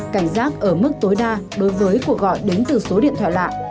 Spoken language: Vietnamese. cảnh giác ở mức tối đa đối với cuộc gọi đến từ số điện thoại lạ